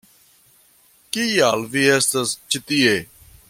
Kial vi estas ĉi tie?